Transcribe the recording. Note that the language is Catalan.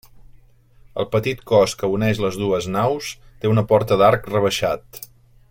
El petit cos que uneix les dues naus té una porta d'arc rebaixat.